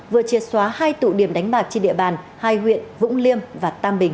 vừa triệt xóa hai tụ điểm đánh bạc trên địa bàn hai huyện vũng liêm và tam bình